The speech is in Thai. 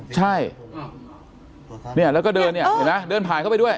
ใช่เนี่ยแล้วก็เดินเนี่ยเห็นไหมเดินผ่านเข้าไปด้วย